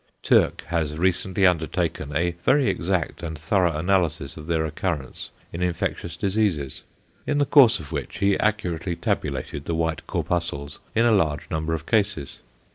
Türk has recently undertaken a very exact and thorough analysis of their occurrence in infectious diseases, in the course of which he accurately tabulated the white corpuscles in a large number of cases.